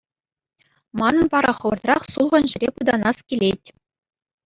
Манӑн вара хӑвӑртрах сулхӑн ҫӗре пытанас килет.